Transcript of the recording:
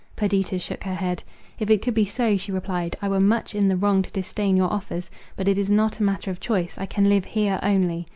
Perdita shook her head; "If it could be so," she replied, "I were much in the wrong to disdain your offers. But it is not a matter of choice; I can live here only.